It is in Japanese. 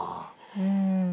うん。